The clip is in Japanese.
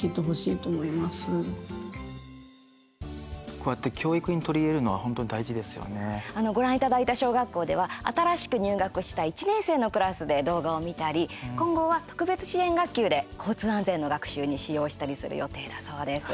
こうやって教育に取り入れるのはご覧いただいた小学校では新しく入学した１年生のクラスで動画を見たり今後は特別支援学級で交通安全の学習に使用したりする予定だそうです。